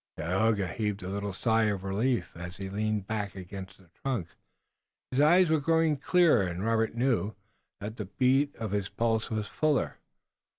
Tayoga heaved a little sigh of relief as he leaned back against the trunk. His eyes were growing clearer and Robert knew that the beat of his pulse was fuller.